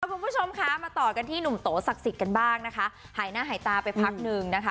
คุณผู้ชมคะมาต่อกันที่หนุ่มโตศักดิ์สิทธิ์กันบ้างนะคะหายหน้าหายตาไปพักหนึ่งนะคะ